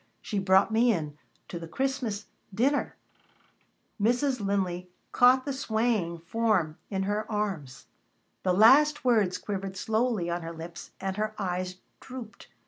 She brought me in to the Christmas dinner " Mrs. Linley caught the swaying form in her arms. The last words quivered slowly on her lips and her eyes drooped.